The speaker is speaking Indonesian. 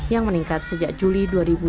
yang meningkat sejak juli dua ribu dua puluh